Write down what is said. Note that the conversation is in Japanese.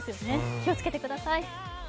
気をつけてください。